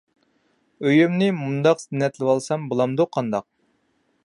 ئۆيۈمنى مۇنداق زىننەتلىۋالسام بولامدۇ قانداق؟